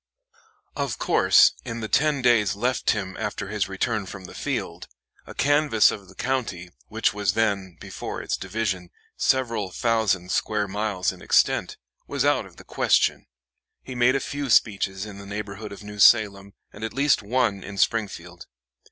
Of course, in the ten days left him after his return from the field, a canvass of the county, which was then before its division several thousand square miles in extent, was out of the question. He made a few speeches in the neighborhood of New Salem, and at least one in Springfield.